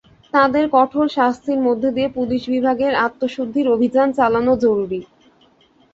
তাঁদের কঠোর শাস্তির মধ্য দিয়ে পুলিশ বিভাগের আত্মশুদ্ধির অভিযান চালানো জরুরি।